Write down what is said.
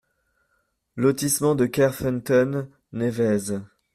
Lotissement de Kerfeunteun, Névez